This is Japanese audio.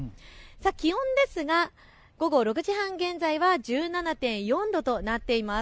気温ですが、午後６時半現在は１７．４度となっています。